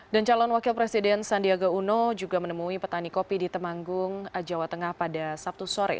dan calon wakil presiden sandiaga uno juga menemui petani kopi di temanggung jawa tengah pada sabtu sore